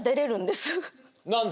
何で？